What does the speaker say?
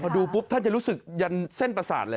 พอดูปุ๊บท่านจะรู้สึกยันเส้นประสาทเลย